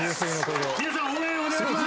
皆さん応援をお願いします